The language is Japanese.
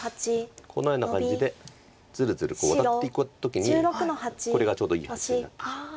このような感じでずるずるワタっていく時にこれがちょうどいい場所になってるでしょう。